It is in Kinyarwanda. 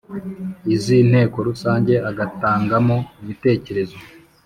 iz Inteko Rusange agatangamo ibitekerezo